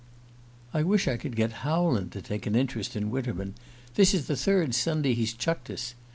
"I wish I could get Howland to take an interest in Winterman: this is the third Sunday he's chucked us.